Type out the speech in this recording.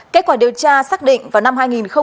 kết quả điều tra xác định vào năm hai nghìn một mươi bảy